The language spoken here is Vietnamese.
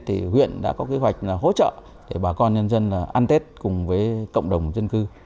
thì huyện đã có kế hoạch hỗ trợ để bà con nhân dân ăn tết cùng với cộng đồng dân cư